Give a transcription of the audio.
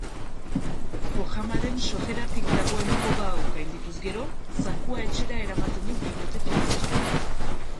Programaren sorreratik dagoen proba hau gaindituz gero zakua etxera eramaten du bikote finalistak.